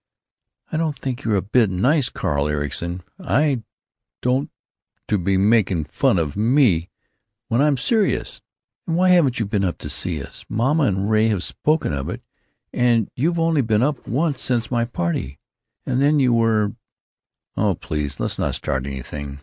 '" "I don't think you're a bit nice, Carl Ericson, I don't, to be making fun of me when I'm serious. And why haven't you been up to see us? Mamma and Ray have spoken of it, and you've only been up once since my party, and then you were——" "Oh, please let's not start anything.